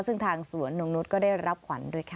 ซึ่งทางสวนนงนุษย์ก็ได้รับขวัญด้วยค่ะ